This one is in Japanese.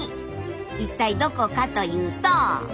一体どこかというと。